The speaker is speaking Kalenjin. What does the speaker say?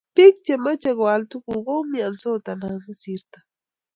biik chemache koal tuguk koumiansot anan kosirto